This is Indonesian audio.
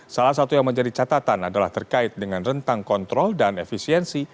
salah satu yang menjadi catatan adalah terkait dengan rentang kontrol dan efisiensi